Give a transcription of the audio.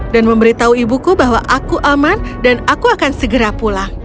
dan memberitahu ibuku bahwa aku aman dan aku akan segera pulang